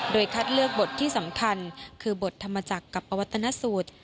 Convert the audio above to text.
โดยคัดเลือกบทที่สำคัญคือบทธรรมจักรกับอวัฒนสูตร